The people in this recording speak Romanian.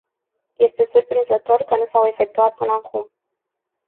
Este surprinzător că nu s-au efectuat până acum.